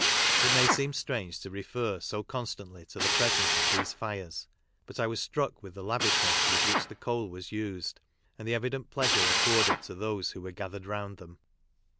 It may seem strange to refer so con stantly to the presence of these fires, but I was struck with the lavishness with which the coal was used, and the evident pleasure afforded to those who were gathered round them.